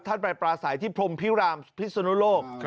ท่านไปปลาสายที่พรหมพิรามพิรษณโลก